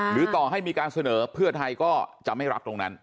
ต่อให้มีการเสนอเพื่อไทยก็จะไม่รับตรงนั้น